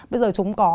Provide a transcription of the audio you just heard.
bây giờ chúng có